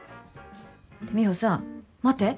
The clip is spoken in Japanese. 美穂さん待って！